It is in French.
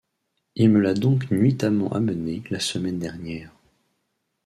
Il me l’a donc nuitamment amené la semaine dernière.